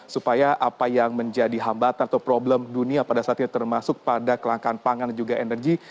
supaya apa yang menjadi hambatan atau problem dunia pada saat ini termasuk pada kelangkaan pangan dan juga energi